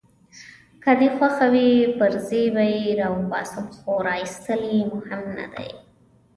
که دي خوښه وي پرزې به يې راوباسم، خو راایستل يې مهم نه دي.